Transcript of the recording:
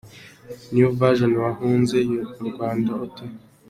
New Vision: Wahunze u Rwanda ute?